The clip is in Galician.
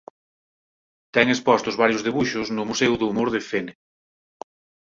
Ten expostos varios debuxos no Museo do Humor de Fene.